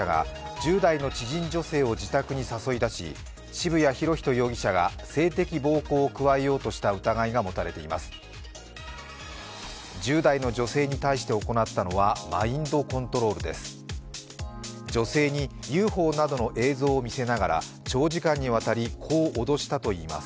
１０代の女性に対して行ったのはマインドコントロールです。